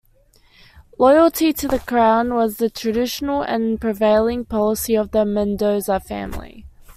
Loyalty to the Crown was the traditional and prevailing policy of the Mendoza family.